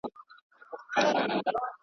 ساقي د میو ډک جامونه په نوبت وېشله.